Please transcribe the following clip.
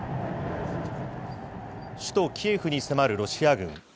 首都キエフに迫るロシア軍。